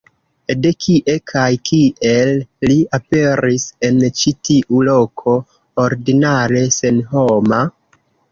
De kie kaj kiel li aperis en ĉi tiu loko, ordinare senhoma?